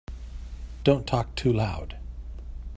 Don't talk too loud.